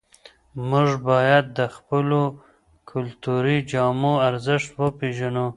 موږ باید د خپلو کلتوري جامو ارزښت وپېژنو.